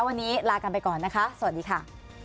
วันนี้ลากันไปก่อนนะคะสวัสดีค่ะ